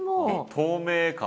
透明感も。